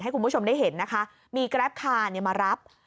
คุณผู้ชมได้เห็นนะคะมีแกรปคาร์มารับ